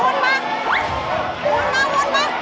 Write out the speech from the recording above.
มูนิกมูนิกมูนิกมูนิก